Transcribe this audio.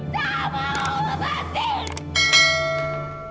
saya mau lepasin